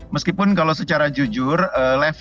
meskipun kalau secara jujur levelnya tentu harus diperhatikan ya